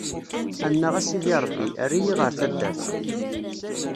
Annaɣ a Sidi Ṛebbi, err-iyi ɣer taddart.